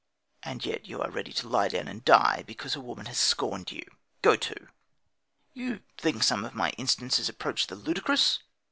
And yet you are ready to lie down and die because a woman has scorned you! Go to! You think some of my instances approach the ludicrous?